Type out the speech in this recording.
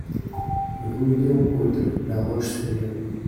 Rue Léon Aude, La Roche-sur-Yon